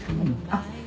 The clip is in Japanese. あっ。